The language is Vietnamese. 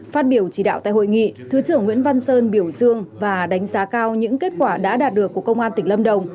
phát biểu chỉ đạo tại hội nghị thứ trưởng nguyễn văn sơn biểu dương và đánh giá cao những kết quả đã đạt được của công an tỉnh lâm đồng